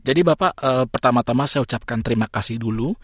jadi bapak pertama tama saya ucapkan terima kasih dulu